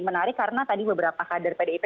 menarik karena tadi beberapa kader pdip